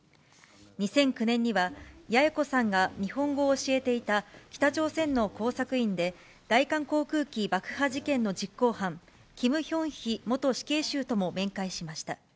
２００９年には八重子さんが日本語を教えていた北朝鮮の工作員で、大韓航空機爆破事件の実行犯、キム・ヒョンヒ元死刑囚とも面会しました。